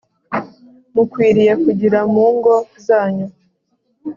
mukwiriye kugira mu ngo zanyu